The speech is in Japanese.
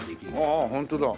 ああホントだ。